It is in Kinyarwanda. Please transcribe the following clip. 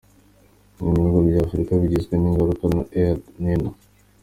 Bimwe mu bihugu bya Afurika byagizweho ingaruka na El Nino.